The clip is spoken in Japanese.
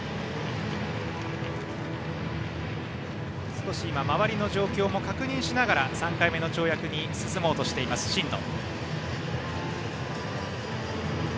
少し周りの状況も確認しながら３回目の跳躍に進もうとしている真野。